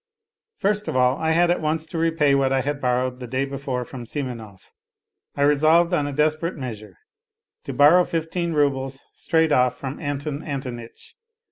First of all I had at once to repay what I had borrowed the day before from Simonov. I resolved on a desperate measure : to borrow fifteen roubles straight off from Anton Antonitch.